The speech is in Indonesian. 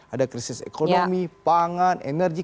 ada krisis ekonomi pangan energi